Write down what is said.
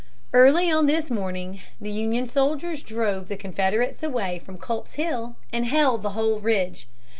Early on this morning the Union soldiers drove the Confederates away from Culp's Hill and held the whole ridge.